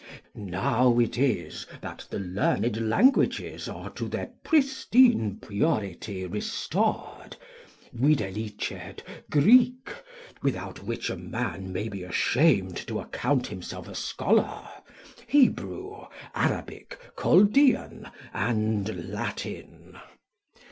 Now it is that the learned languages are to their pristine purity restored, viz., Greek, without which a man may be ashamed to account himself a scholar, Hebrew, Arabic, Chaldaean, and Latin.